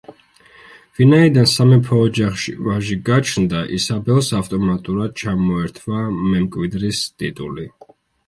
ვინაიდან სამეფო ოჯახში ვაჟი გაჩნდა ისაბელს ავტომატურად ჩამოერთვა მემკვიდრის ტიტული.